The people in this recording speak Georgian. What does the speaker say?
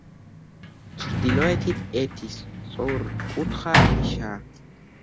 ჩრდილოეთით ერთი სწორკუთხა ნიშაა.